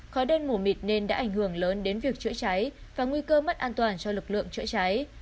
khói đen mù mịt nên đã ảnh hưởng lớn đến việc chữa cháy và nguy cơ mất an toàn cho lực lượng chữa cháy